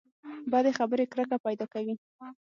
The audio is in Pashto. بدې خبرې کرکه پیدا کوي.